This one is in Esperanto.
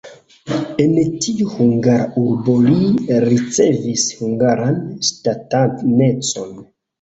En tiu hungara urbo li ricevis hungaran ŝtatanecon.